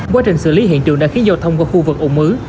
quá trình xử lý hiện trường đã khiến giao thông qua khu vực ủng ứ